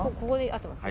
合ってます？